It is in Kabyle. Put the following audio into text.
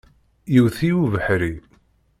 Yewwet-iyi ubeḥri.